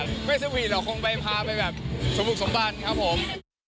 ไม่สวีทหรอกคงไปพาไปแบบสมบุกสมบัติครับผม